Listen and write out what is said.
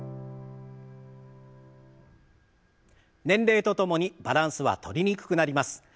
年齢とともにバランスはとりにくくなります。